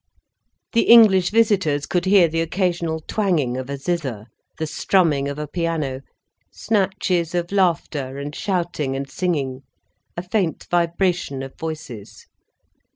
_ The English visitors could hear the occasional twanging of a zither, the strumming of a piano, snatches of laughter and shouting and singing, a faint vibration of voices.